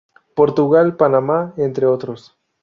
Portugal, Panamá, entre otros.